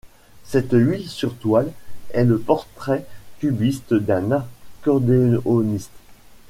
Cette huile sur toile est le portrait cubiste d'un accordéoniste.